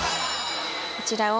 こちらを。